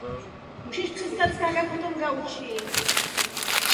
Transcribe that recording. Trať měla velký ekonomický přínos pro město.